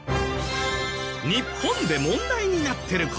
日本で問題になってる事